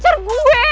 gak ada apa apa